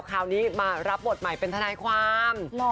คราวนี้มารับบทใหม่เป็นทนายความ